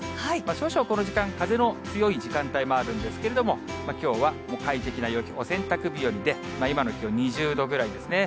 少々この時間、風の強い時間帯もあるんですけれども、きょうは快適な陽気、お洗濯日和で、今の気温、２０度ぐらいですね。